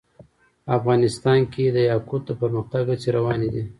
افغانستان کې د یاقوت د پرمختګ هڅې روانې دي.